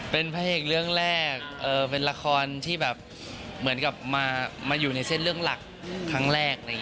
เป็นพระเอกเรื่องแรกเป็นละครที่แบบเหมือนกับมาอยู่ในเส้นเรื่องหลักครั้งแรก